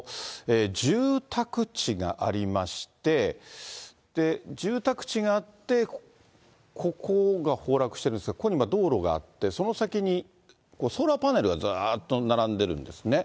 住宅地がありまして、住宅地があって、ここが崩落してるんですが、ここに今、道路があって、その先にソーラーパネルがずっと並んでいるんですね。